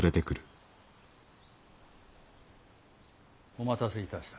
お待たせいたした。